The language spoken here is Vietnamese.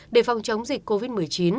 để phòng chống dịch covid một mươi chín